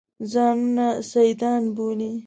ځانونه سیدان بولي.